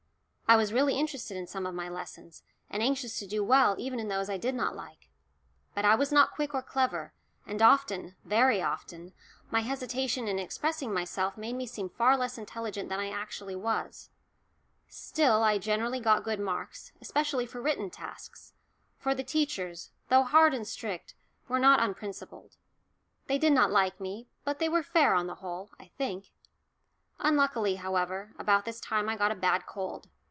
I was really interested in some of my lessons, and anxious to do well even in those I did not like. But I was not quick or clever, and often, very often, my hesitation in expressing myself made me seem far less intelligent than I actually was. Still I generally got good marks, especially for written tasks, for the teachers, though hard and strict, were not unprincipled. They did not like me, but they were fair on the whole, I think. Unluckily, however, about this time I got a bad cold.